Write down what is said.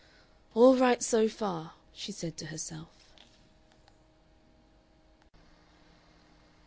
"All right so far," she said to herself....